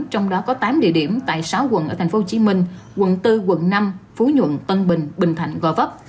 trong đó có tám địa điểm tại sáu quận ở tp hcm quận bốn quận năm phú nhuận tân bình bình thạnh gò vấp